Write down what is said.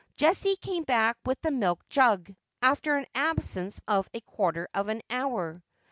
Jessie came back with the milk jug, after an absence of a quart* i of an hour.